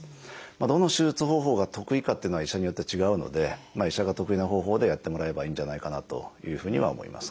どの手術方法が得意かっていうのは医者によって違うので医者が得意な方法でやってもらえばいいんじゃないかなというふうには思いますね。